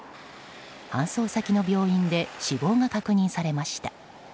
搬送先の病院で死亡が確認されました。